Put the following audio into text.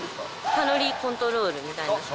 カロリーコントロールみたいな。